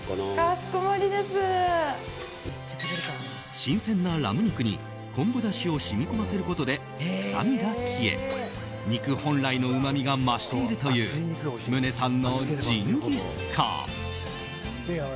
新鮮なラム肉に昆布だしを染み込ませることで臭みが消え、肉本来のうまみが増しているという宗さんのジンギスカン。